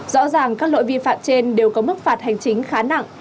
rõ ràng các lỗi vi phạm trên đều có mức phạt hành chính khá nặng